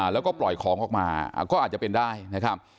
แล้วก็ปล่อยของออกมาก็อาจจะเป็นได้นะครับ